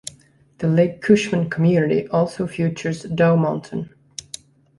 The Lake Cushman community also features Dow Mountain.